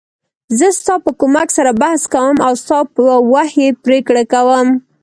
زه ستا په کومک سره بحث کوم او ستا په وحی پریکړه کوم .